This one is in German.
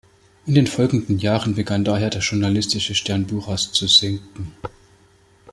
In den folgenden Jahren begann daher der journalistische Stern Buchers zu sinken.